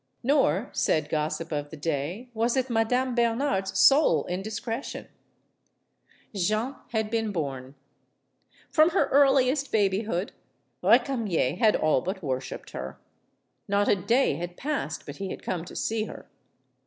Nor, said gossip of the day, was it Madame Bernard's sole indiscre tion. Jeanne had been born. From her earliest baby hood, Recamier had all but worshiped her. Not a day had passed but he had come to see her.